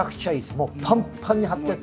もうパンパンに張ってて。